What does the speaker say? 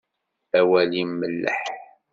Awal-im melleḥ.